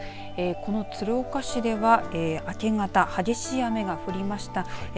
この鶴岡市では明け方激しい雨が降りました。